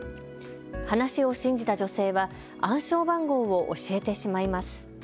話を信じた女性は暗証番号を教えてしまいます。